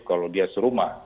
kalau dia serumah